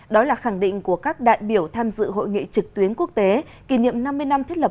đó là khẳng định của các đại biểu tham dự hội nghị trực tuyến quốc tế kỷ niệm năm mươi năm thiết lập